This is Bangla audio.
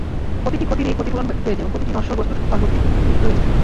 প্রতিটি ক্ষতিরই ক্ষতিপূরণ রয়েছে এবং প্রতিটি নশ্বর বস্তুর স্থলবর্তী রয়েছে।